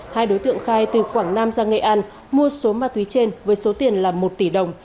hai đối tượng khai từ quảng nam ra nghệ an mua số ma túy trên với số tiền là một tỷ đồng